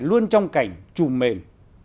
luôn trong cảnh trùm mềm